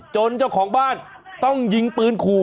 เจ้าของบ้านต้องยิงปืนขู่